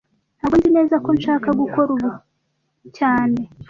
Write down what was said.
Ntago nzi neza ko nshaka gukora ubu cyane